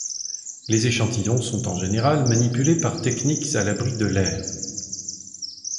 Les échantillons sont en général manipulés par techniques à l'abri de l'air.